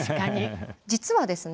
実はですね